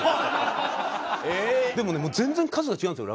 でもねもう全然数が違うんですよ